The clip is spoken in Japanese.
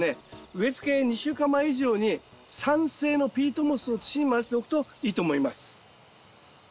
植えつけ２週間前以上に酸性のピートモスを土に混ぜておくといいと思います。